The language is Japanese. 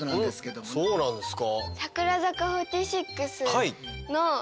そうなんですか？